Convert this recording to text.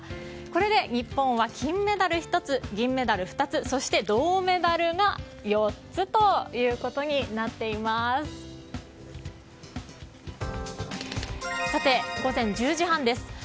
これで日本は金メダル１つ銀メダル２つそして銅メダルが４つということになっています。